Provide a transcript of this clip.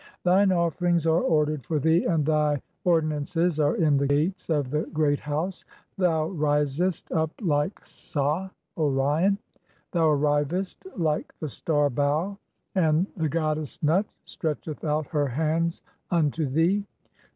Thine offerings (?) are ordered for thee, and thy "ordinances are in the gates of the Great House. Thou risest "up like Sah (Orion) ; thou arrivest like the star Bau ; (37) and "the goddess Nut [stretcheth out] her hands unto thee.